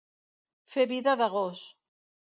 Fer vida de gos.